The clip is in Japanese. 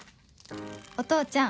お父ちゃん